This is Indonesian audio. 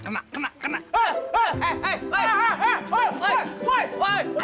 kena kena kena kena